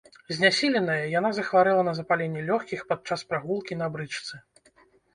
Знясіленая, яна захварэла на запаленне лёгкіх падчас прагулкі на брычцы.